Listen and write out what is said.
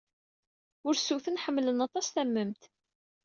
Ursuten ḥemmlen aṭas tamemt.